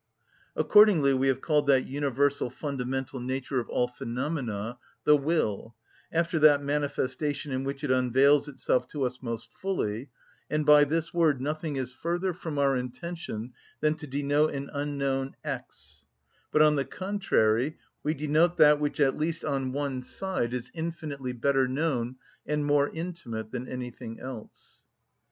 Accordingly we have called that universal fundamental nature of all phenomena the will, after that manifestation in which it unveils itself to us most fully; and by this word nothing is further from our intention than to denote an unknown x; but, on the contrary, we denote that which at least on one side is infinitely better known and more intimate than anything else.